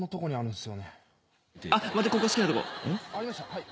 はい。